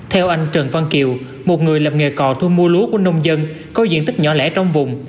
theo anh trần văn kiều một người làm nghề cò thu mua lúa của nông dân có diện tích nhỏ lẻ trong vùng